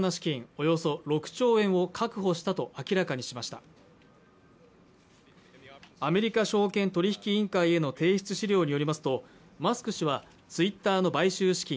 およそ６兆円を確保したと明らかにしましたアメリカ証券取引委員会への提出資料によりますとマスク氏はツイッターの買収資金